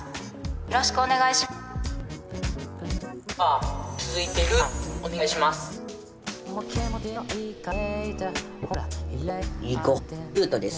よろしくお願いします。